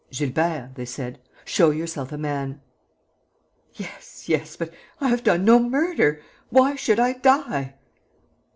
"Gilbert," they said, "show yourself a man." "Yes, yes ... but I have done no murder.... Why should I die?"